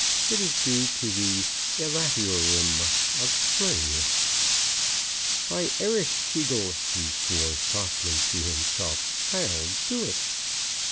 It is due to the elaterium of spring. "By Ereshkigal," he swore softly to himself, "I'll do it."